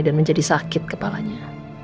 dan menjadi sakit kepalanya